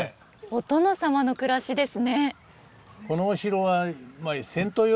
お殿様の暮らしですね。